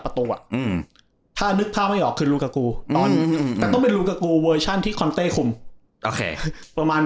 ประตูอ่ะอืมถ้านึกถ้าไม่ออกคือตอนแต่ต้องเป็นคุมโอเคประมาณ